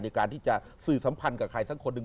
ในการที่จะสื่อสัมพันธ์กับใครสักคนหนึ่ง